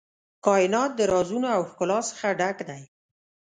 کائنات د رازونو او ښکلا څخه ډک دی.